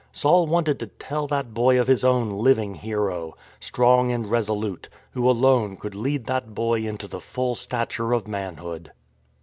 Saul wanted to tell that boy of his own living Hero, strong and resolute, who alone could lead that boy into the full stature of manhood.